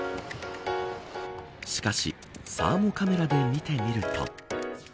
しかしサーモカメラで見てみると。